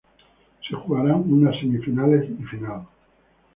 Se jugarán unas semifinales y final.